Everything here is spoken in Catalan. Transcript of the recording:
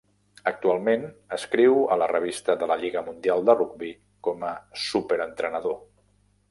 Actualment escriu a la revista de la lliga mundial de rugbi, com a "Súper-entrenador".